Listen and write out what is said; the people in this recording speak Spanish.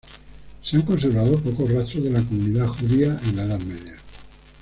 Se han conservado pocos rastros de la comunidad judía en la Edad Media.